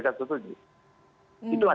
itu hasil penelitian yang keluar